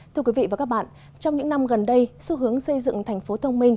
thưa quý vị và các bạn trong những năm gần đây xu hướng xây dựng thành phố thông minh